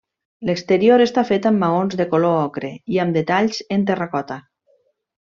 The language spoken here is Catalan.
L'exterior està fet amb maons de color ocre i amb detalls en terracota.